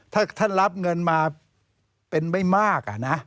ถ้าท่านรับเงินมาเป็นไม่มากนะ